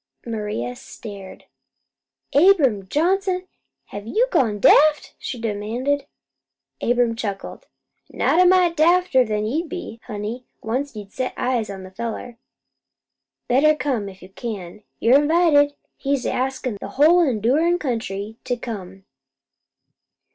Maria stared. "Abram Johnson, have you gone daft?" she demanded. Abram chuckled. "Not a mite dafter'n you'll be, honey, once you set eyes on the fellow. Better come, if you can. You're invited. He's askin' the whole endurin' country to come."